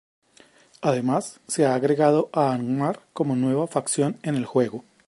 Además, se ha agregado a Angmar como nueva facción en el juego.